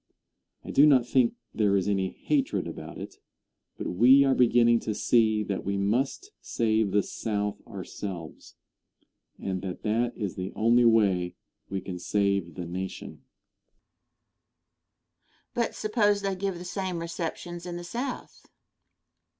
I do not think there is any hatred about it, but we are beginning to see that we must save the South ourselves, and that that is the only way we can save the nation. Question. But suppose they give the same receptions in the South?